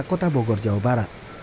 kota bogor jawa barat